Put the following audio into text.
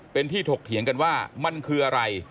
เป็นที่ถกเถียงกันว่ามันคืออะไร